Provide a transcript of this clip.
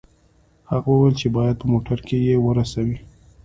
هغه وویل چې باید په موټر کې یې ورسوي